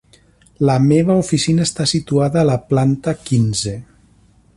La meva oficina està situada a la planta quinze.